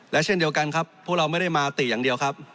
และเช่นเดียวกันครับพวกเราไม่ได้มาติอย่างเดียวครับ